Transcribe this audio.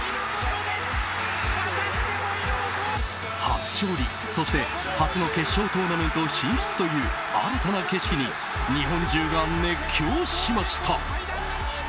初勝利、そして初の決勝トーナメント進出という新たな景色に日本中が熱狂しました。